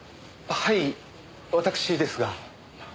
はい私ですが。